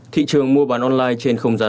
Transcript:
thị trường mua bán online trên không gian